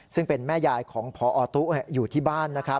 ซึ่งเป็นแม่ยายของพอตุอยู่ที่บ้าน